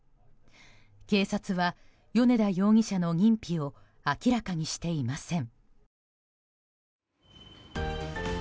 警察は米田容疑者の認否を明らかにしていません。